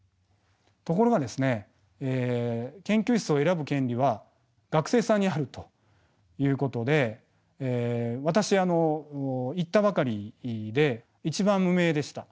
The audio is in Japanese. ところがですね研究室を選ぶ権利は学生さんにあるということで私行ったばかりで一番無名でした。